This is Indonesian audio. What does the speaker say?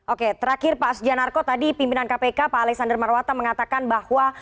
oke terakhir pak sujanarko tadi pimpinan kpk pak alexander marwata mengatakan bahwa